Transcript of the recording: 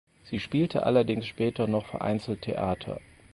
Sie spielte allerdings später noch vereinzelt Theater.